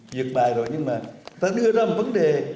duyệt bài rồi nhưng mà ta đưa ra một vấn đề